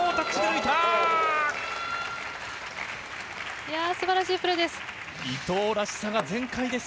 いやー、すばらしいプレーです。